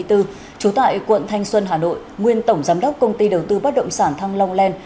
trú tại quận thanh xuân hà nội nguyên tổng giám đốc công ty đầu tư bất động sản thăng long len